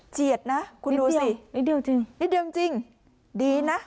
เจียดนะคุณดูสินิดเดียวนิดเดียวจริงนิดเดียวจริงดีนะ